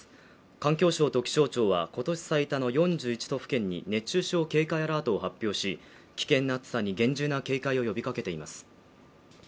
環境省と気象庁は今年最多の４１都府県に熱中症警戒アラートを発表し危険な暑さに厳重な警戒を呼びかけています